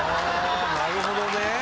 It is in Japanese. なるほどね。